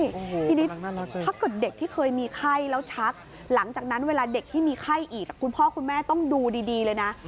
ทีนี้ถ้าเกิดเด็กที่เคยมีไข้แล้วชักหลังจากนั้นเวลาเด็กที่มีไข้อีกคุณพ่อคุณแม่ต้องดูดีเลยนะ